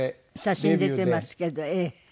写真出てますけどええ。